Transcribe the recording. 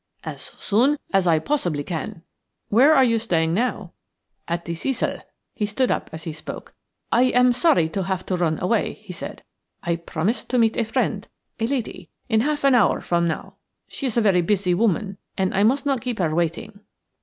"As soon as I possibly can." Where are you staying now?" "At the Cecil." He stood up as he spoke. "I am sorry to have to run away," he said. "I promised to meet a friend, a lady, in half an hour from now. She is a very busy woman, and I must not keep her waiting."